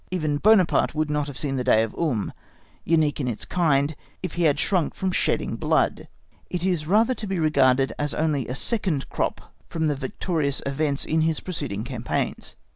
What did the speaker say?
Even Buonaparte would not have seen the day of Ulm, unique in its kind, if he had shrunk from shedding blood; it is rather to be regarded as only a second crop from the victorious events in his preceding campaigns.